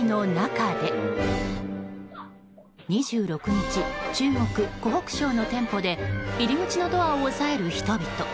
２６日、中国・湖北省の店舗で入り口のドアを押さえる人々。